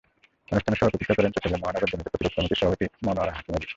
অনুষ্ঠানে সভাপতিত্ব করেন চট্টগ্রাম মহানগর দুর্নীতি প্রতিরোধ কমিটির সভাপতি মনোয়ারা হাকিম আলী।